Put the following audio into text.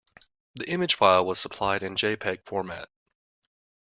The image file was supplied in jpeg format.